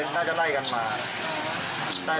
น่าจะไล่กันมา